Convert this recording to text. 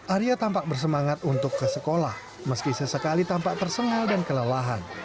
arya tampak bersemangat untuk ke sekolah meski sesekali tampak tersengal dan kelelahan